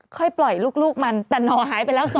ค่อยปล่อยลูกมันแต่หน่อหายไปแล้ว